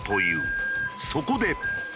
そこで。